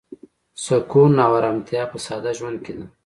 سکون او ارامتیا په ساده ژوند کې ده.